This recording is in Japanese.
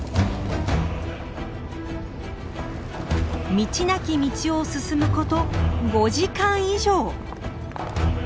道なき道を進むこと５時間以上。